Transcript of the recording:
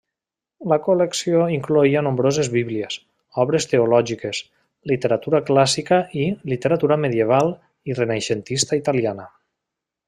La col·lecció incloïa nombroses bíblies, obres teològiques, literatura clàssica i literatura medieval i renaixentista italiana.